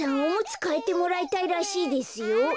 おむつかえてもらいたいらしいですよ。